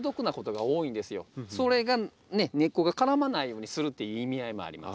それが根っこが絡まないようにするっていう意味合いもあります。